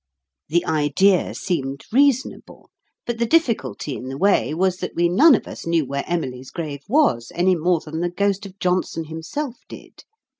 The idea seemed reasonable, but the difficulty in the way was that we none of us knew where Emily's grave was any more than the ghost of Johnson himself did.